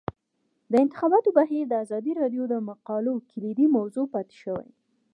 د انتخاباتو بهیر د ازادي راډیو د مقالو کلیدي موضوع پاتې شوی.